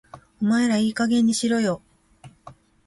お前らいい加減にしろよ